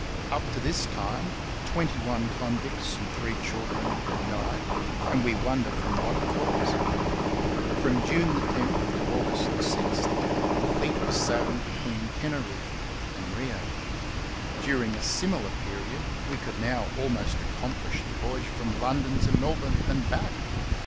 Up to this time twenty one convicts and three children had died, and we wonder from what cause. From June 10 to August 6 the fleet were sailing between Teneriffe and Rio. During a similar period we could now almost accomplish the voyage from London to Melbourne and hack.